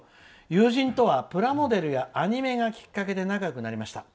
友人とはプラモデルやアニメがきっかけで仲よくなりました。